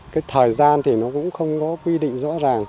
cái thời gian thì nó cũng không có quy định rõ ràng